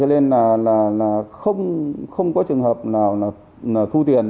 cho nên là không có trường hợp nào là thu tiền